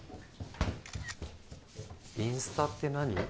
インスタって何？